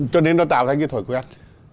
cho nên nó tạo ra cái thổi quen